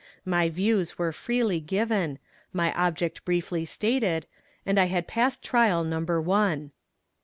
My views were freely given, my object briefly stated, and I had passed trial number one.